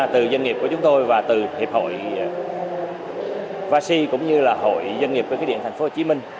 từ doanh nghiệp của chúng tôi và từ hiệp hội vaci cũng như là hội doanh nghiệp cơ khí điện tp hcm